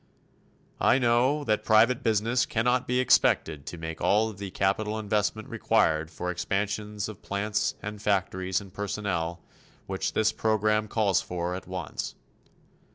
I know that private business cannot be expected to make all of the capital investment required for expansions of plants and factories and personnel which this program calls for at once.